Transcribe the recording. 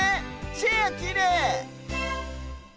チェアきれい！